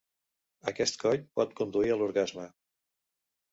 Aquest coit pot conduir a l'orgasme.